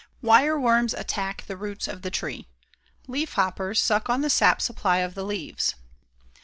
Wire worms attack the roots of the tree. Leaf hoppers suck on the sap supply of the leaves.